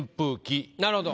なるほど。